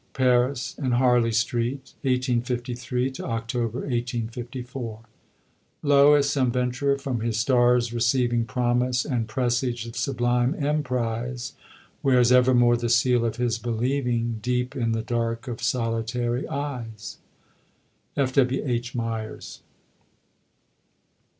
PARIS AND HARLEY STREET (1853 October 1854) Lo, as some venturer from his stars receiving Promise and presage of sublime emprise, Wears evermore the seal of his believing Deep in the dark of solitary eyes. F. W. H. MYERS.